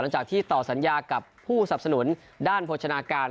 หลังจากที่ต่อสัญญากับผู้สับสนุนด้านโภชนาการ